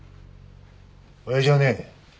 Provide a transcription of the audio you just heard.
親父はね